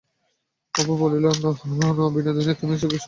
অপু বলিল, নাও না বিনিদি, তুমি নিয়ে চুমুক দিয়ে খাও না!